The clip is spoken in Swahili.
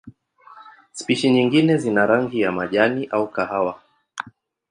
Spishi nyingine zina rangi ya majani au kahawa.